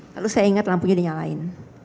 lalu saya ingat lampunya dinyalain